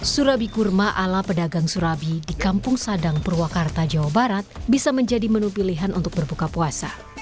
surabi kurma ala pedagang surabi di kampung sadang purwakarta jawa barat bisa menjadi menu pilihan untuk berbuka puasa